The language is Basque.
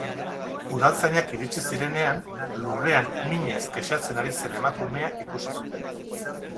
Udaltzainak iritsi zirenean, lurrean minez kexatzen ari zen emakumea ikusi zuten.